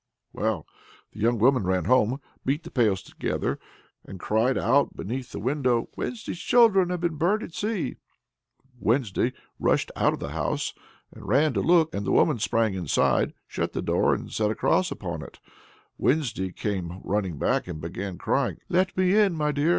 Well, the young woman ran home, beat the pails together, and cried out beneath the window: "Wednesday's children have been burnt at sea!" Wednesday rushed out of the house and ran to look, and the woman sprang inside, shut the door, and set a cross upon it. Wednesday came running back, and began crying: "Let me in, my dear!